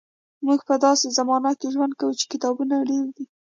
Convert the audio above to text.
موږ په داسې زمانه کې ژوند کوو چې کتابونه ډېر دي.